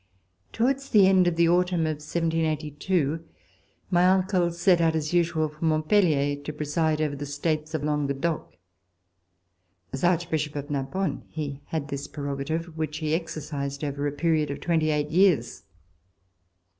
Towards the end of the autumn of 1782, my uncle set out as usual for Montpellier to preside over the States of Languedoc. As Archbishop of Narbonne, he had this prerogative, which he exercised over the period of twenty eight years.